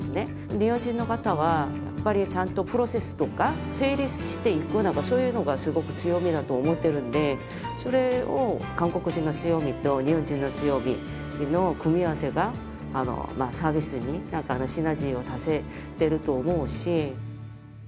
日本人の方は、やっぱりちゃんとプロセスとか、整理していくのが、そういうのがすごく強みだと思ってるんで、それを韓国人の強みと日本人の強みの組み合わせが、サービスにシナジーを出せてると思うし。